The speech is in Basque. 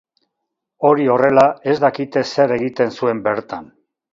Hori horrela, ez dakite zer egiten zuen bertan.